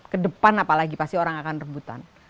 kedepan apalagi pasti orang akan rebutan